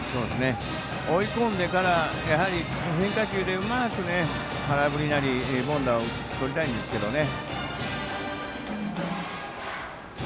追い込んでから変化球でうまく空振りなり、凡打をとりたいんですけどね。